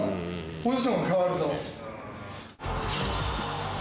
ポジションが変わると。